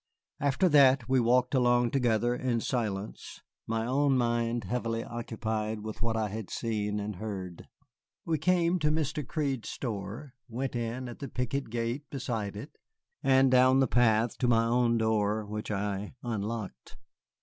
After that we walked along together in silence, my own mind heavily occupied with what I had seen and heard. We came to Mr. Crede's store, went in at the picket gate beside it and down the path to my own door, which I unlocked.